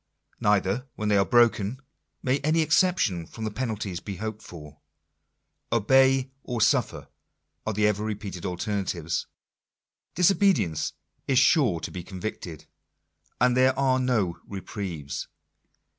Neither, when they are broken, may any exception from penalties be hoped for. " Obey or suffer" are the ever repeated alternatives. Disobedience is sure to be convicted. And there are no reprieves.